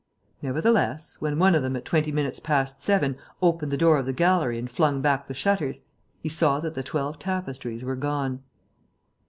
Nevertheless, when one of them, at twenty minutes past seven, opened the door of the gallery and flung back the shutters, he saw that the twelve tapestries were gone.